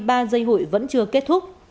các dây hụi vẫn chưa kết thúc